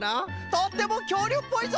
とってもきょうりゅうっぽいぞ！